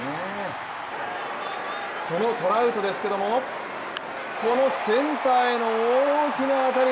そのトラウトですけどもこのセンターへの大きな当たり。